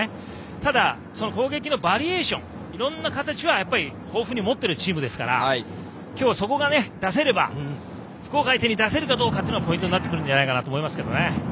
ただ、その攻撃のバリエーションいろいろな形を豊富に持っているチームですから今日はそこが出せれば福岡相手に出せるかどうかがポイントになってくるんじゃないかと思います。